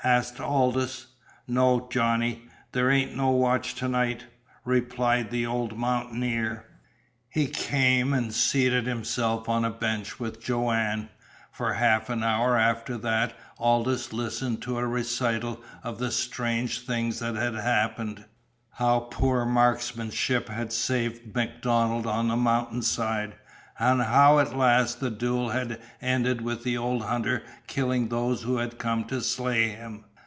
asked Aldous. "No, Johnny, there ain't no watch to night," replied the old mountaineer. He came and seated himself on a bench with Joanne. For half an hour after that Aldous listened to a recital of the strange things that had happened how poor marksmanship had saved MacDonald on the mountain side, and how at last the duel had ended with the old hunter killing those who had come to slay him.